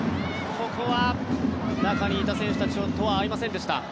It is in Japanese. ここは中にいた選手たちとは合いませんでした。